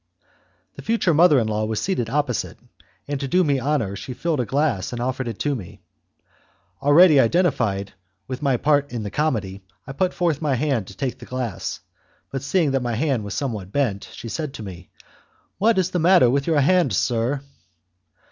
The future mother in law was seated opposite, and to do me honour she filled a glass and offered it to me. Already identified with my part in the comedy, I put forth my hand to take the glass, but seeing that my hand was somewhat bent, she said to me, "What is the matter with your hand, sir?"